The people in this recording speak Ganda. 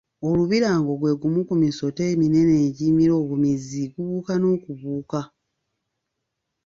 Olubirango gwe gumu ku misota eminene egimira obumizi, gubuuka n’okubuuka.